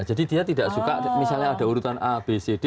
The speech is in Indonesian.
jadi dia tidak suka misalnya ada urutan a b c d